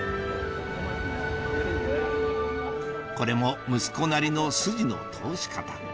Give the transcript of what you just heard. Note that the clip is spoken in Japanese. これも息子なりの筋の通し方